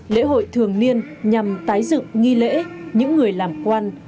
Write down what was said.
lễ hội thường niên nhằm tái dựng nghi lễ những người làm quan